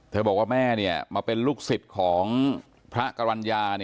บอกว่าแม่มาเป็นลูกศิษย์ของพระกรรณญา